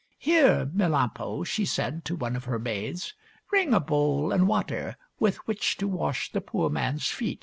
" Here, Melampo," she said to one of her maids, " bring a bowl and water with which to wash the poor man's feet."